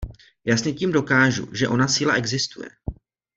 Jasně tím dokážu, že ona síla existuje.